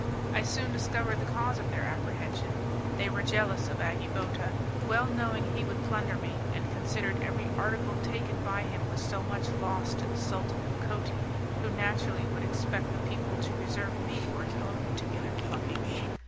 I soon discovered the cause of their apprehension; they were jealous of Agi Bota, well knowing he would plunder me, and considered every article taken by him was so much lost to the Sultan of Coti, who naturally would expect the people to reserve me for his own particular plucking.